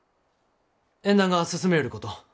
縁談が進みょうること。